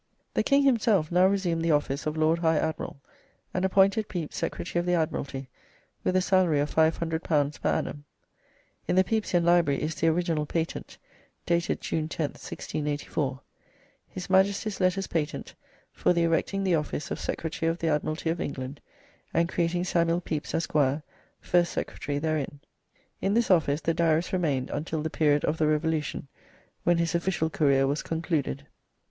The King himself now resumed the office of Lord High Admiral, and appointed Pepys Secretary of the Admiralty, with a salary of L500 per annum. In the Pepysian Library is the original patent, dated June 10th, 1684: "His Majesty's Letters Patent for ye erecting the office of Secretary of ye Admiralty of England, and creating Samuel Pepys, Esq., first Secretary therein." In this office the Diarist remained until the period of the Revolution, when his official career was concluded.